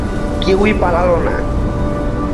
কেউই পালালো না।